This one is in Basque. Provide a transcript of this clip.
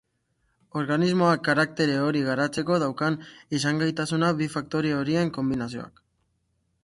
Organismoak karaktere hori garatzeko daukan izangaitasuna bi faktore horien konbinazioak zehaztuko du.